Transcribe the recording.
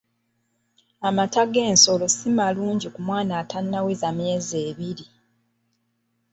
Amata g'ensolo si malungi ku mwana atannaweza myezi ebiri.